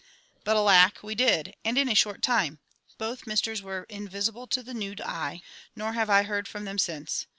But, alack! we did; and, in a short time, both Misters were invisible to the nude eye, nor have I heard from them since.